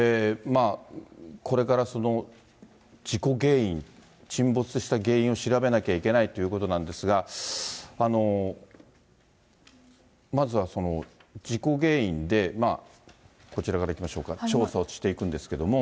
これから事故原因、沈没した原因を調べなきゃいけないということなんですが、まずは事故原因で、こちらからいきましょうか、調査をしていくんですけども。